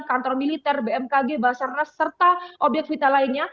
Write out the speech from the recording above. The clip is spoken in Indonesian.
kantor militer bmkg basar ras serta objek vital lainnya